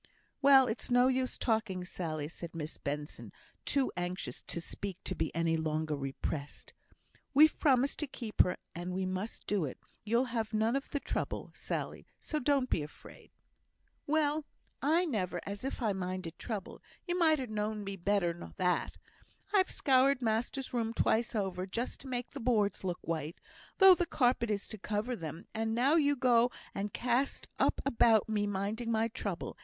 "Well, it's no use talking, Sally," said Miss Benson, too anxious to speak to be any longer repressed. "We've promised to keep her, and we must do it; you'll have none of the trouble, Sally, so don't be afraid." "Well, I never! as if I minded trouble! You might ha' known me better nor that. I've scoured master's room twice over, just to make the boards look white, though the carpet is to cover them, and now you go and cast up about me minding my trouble.